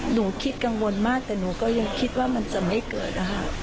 หนูคิดกังวลมากแต่หนูก็ยังคิดว่ามันจะไม่เกิดนะคะ